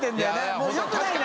もうよくないな！